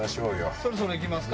そろそろいきますか？